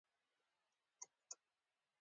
یو خروار وړونکی له خره سره روان و.